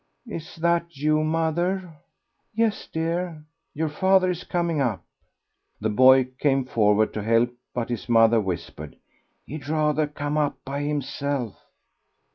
"Is that you, mother?" "Yes, dear; your father is coming up." The boy came forward to help, but his mother whispered, "He'd rather come up by himself."